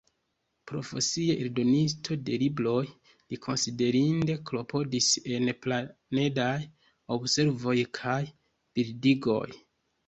Profesie eldonisto de libroj, li konsiderinde klopodis en planedaj observoj kaj bildigoj.